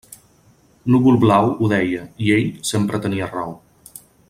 Núvol-Blau ho deia i ell sempre tenia raó.